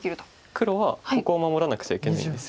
黒はここを守らなくちゃいけないんです。